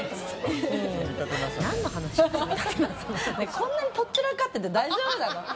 こんなにとっ散らかってて大丈夫なの？